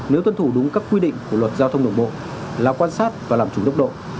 nếu tuân thủ đúng các quy định của luật giao thông đường bộ là quan sát và làm chủ tốc độ